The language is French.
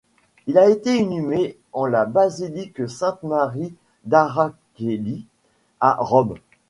Il a été inhumé en la Basilique Sainte-Marie d'Aracœli à Rome.